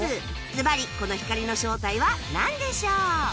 ずばりこの光の正体はなんでしょう？